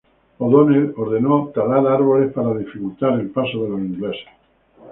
O'Donnell ordenó talar árboles para dificultar el paso de los ingleses.